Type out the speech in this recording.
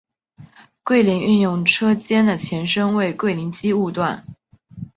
桂林运用车间的前身为桂林机务段。